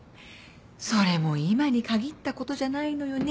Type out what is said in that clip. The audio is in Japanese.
それも今に限ったことじゃないのよね。